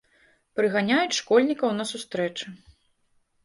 Прыганяюць школьнікаў на сустрэчы.